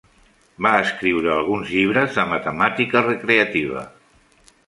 Va escriure alguns llibres de matemàtica recreativa.